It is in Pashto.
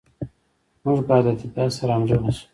موږ باید له طبیعت سره همغږي شو.